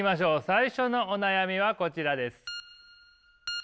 最初のお悩みはこちらです。